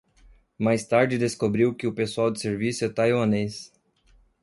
Mais tarde descobriu que o pessoal de serviço é taiwanês